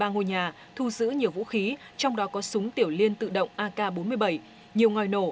ba ngôi nhà thu giữ nhiều vũ khí trong đó có súng tiểu liên tự động ak bốn mươi bảy nhiều ngòi nổ